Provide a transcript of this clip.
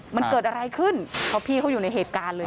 มันเกิดอะไรขึ้นเพราะพี่เขาอยู่ในเหตุการณ์เลย